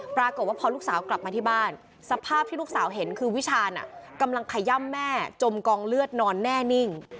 ปรากฏว่าพอลูกสาวกลับมาที่บ้านสภาพที่ลูกสาวเห็นคือวิชาณกำลังขย่ำแม่จมกองเลือดนอนแน่นิ่ง